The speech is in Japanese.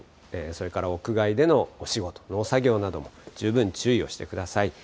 それから屋外でのお仕事、農作業なども十分注意をしてください。